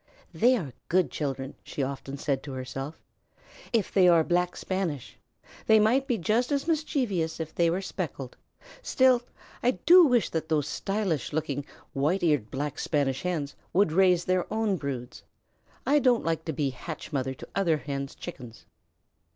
"They are good children," she often said to herself, "if they are Black Spanish. They might be just as mischievous if they were speckled; still, I do wish that those stylish looking, white eared Black Spanish Hens would raise their own broods. I don't like to be hatch mother to other Hens' chickens."